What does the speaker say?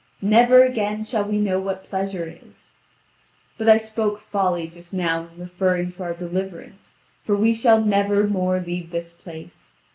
Never again shall we know what pleasure is. But I spoke folly just now in referring to our deliverance, for we shall never more leave this place.